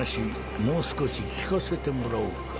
もう少し聞かせてもらおうか。